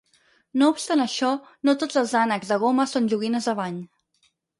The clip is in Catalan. No obstant això, no tots els ànecs de goma són joguines de bany.